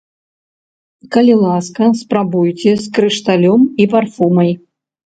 Калі ласка, спрабуйце, з крышталём і парфумай.